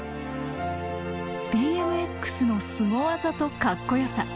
ＢＭＸのスゴ技とカッコよさ。